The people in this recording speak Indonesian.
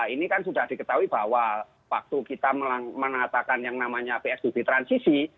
ini kan sudah diketahui bahwa waktu kita menatakan yang namanya psdu di transisi